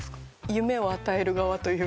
夢を与える側というか。